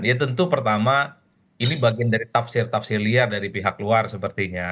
ya tentu pertama ini bagian dari tafsir tafsir liar dari pihak luar sepertinya